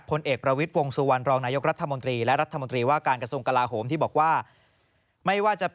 ผมถือว่ามันผิดกฎิกาใช่ไหม